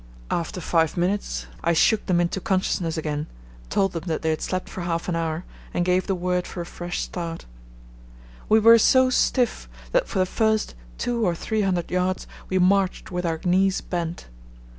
After five minutes I shook them into consciousness again, told them that they had slept for half an hour, and gave the word for a fresh start. We were so stiff that for the first two or three hundred yards we marched with our knees bent.